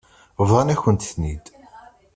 Bḍan-akent-ten-id.